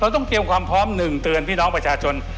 ต้องเตรียมความพร้อมหนึ่งเตือนพี่น้องประชาชน